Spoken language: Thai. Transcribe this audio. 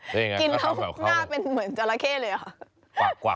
ยังไงกินแล้วหน้าเป็นเหมือนจราเข้เลยค่ะ